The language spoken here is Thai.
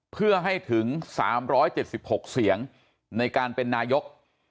เพื่อให้ถึง๓๗๖เสียงในการเป็นนายก